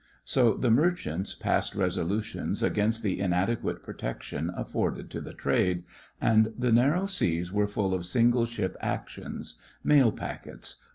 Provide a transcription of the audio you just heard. So the merchants passed resolutions against the inade quate protection afforded to the trade, and the narrow seas were full of single ship actions; mail packets.